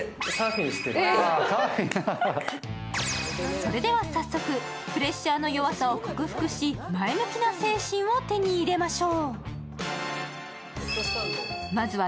それでは早速、プレッシャーの弱さを克服し、前向きな精神を手に入れましょう。